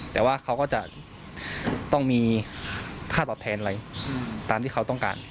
แต่ว่าเขาก็จะต้องมีค่าตอบแทนอะไรตามที่เขาต้องการ